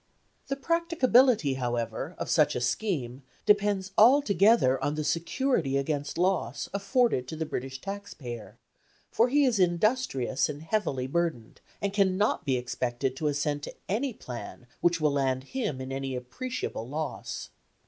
The practicability, however, of such a scheme depends altogether on the security against loss afforded to the British tax payer, for he is industrious and heavily burdened, and cannot be expected to assent to any plan which will land him in any appreciable loss.